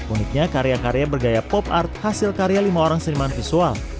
uniknya karya karya bergaya pop art hasil karya lima orang seniman visual